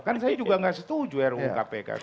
kan saya juga nggak setuju ruu kpk